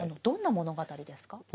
どんな物語ですか？